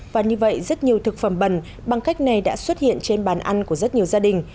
và như vậy rất nhiều thực phẩm bẩn bằng cách này đã xuất hiện trên bàn ăn của rất nhiều gia đình